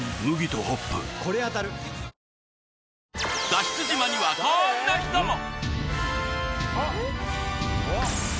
脱出島にはこんな人も！